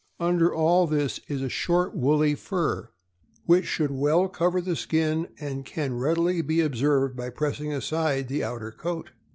Under all this is a short woolly fur, which should well cover the skin, and can readily be observed by pressing aside the outer coat.